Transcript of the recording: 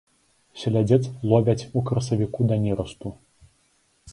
Селядзец ловяць у красавіку да нерасту.